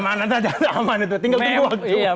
aman nanti jatuh aman itu tinggal tiga waktu